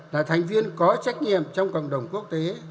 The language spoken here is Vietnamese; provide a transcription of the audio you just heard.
là thành viên có trách nhiệm trong cộng đồng quốc tế